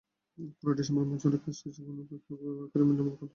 পুরো ডিসেম্বর মাস জুড়েই কাজটি যেকোনো ফেসবুক ব্যবহারকারী বিনা মূল্যে করতে পারবেন।